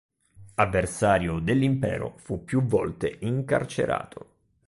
Avversario dell'Impero, fu più volte incarcerato.